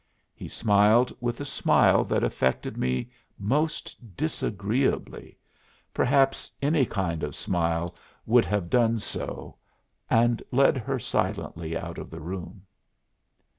He smiled with a smile that affected me most disagreeably perhaps any kind of smile would have done so and led her silently out of the room.